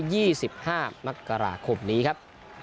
สี่สิบห้ามกราคมนี้ครับ